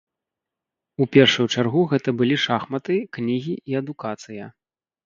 У першую чаргу гэта былі шахматы, кнігі і адукацыя.